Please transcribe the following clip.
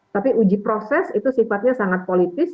tapi uji proses itu sifatnya sangat politis